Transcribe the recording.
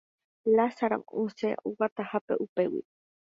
Lázaro osẽ oguatahápe upégui